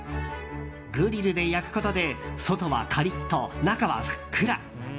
グリルで焼くことで外はカリッと、中はふっくら。